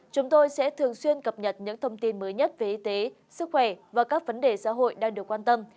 chúng tôi sẽ thường xuyên cập nhật những thông tin mới nhất về y tế sức khỏe và các vấn đề xã hội đang được quan tâm